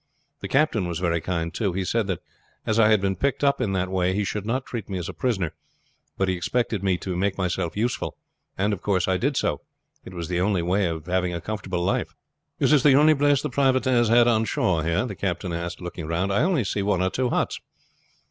The captain was very kind too. He said that as I had been picked up in that way he should not treat me as a prisoner; but he expected me to make myself useful, and, of course, I did so. It was the only way of having a comfortable life." "Is this the only place the privateers had on shore here?" the captain asked, looking round. "I only see one or two huts."